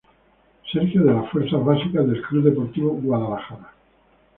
Surgió de las fuerzas básicas del Club Deportivo Guadalajara.